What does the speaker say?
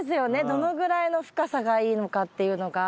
どのぐらいの深さがいいのかっていうのが。